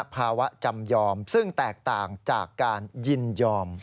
ภาวะจำยอมซึ่งแตกต่างจากการยินยอม